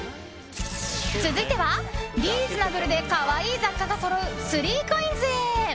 続いてはリーズナブルで可愛い雑貨がそろう３ＣＯＩＮＳへ！